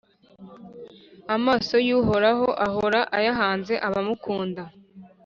Amaso y’Uhoraho ahora ayahanze abamukunda,